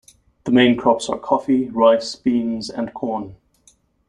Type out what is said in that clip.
The main crops are coffee, rice, beans, and corn.